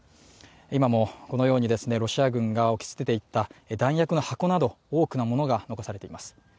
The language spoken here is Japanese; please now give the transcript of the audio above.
今もロシア軍か置き捨てていった弾薬の箱など多くのものが残されています。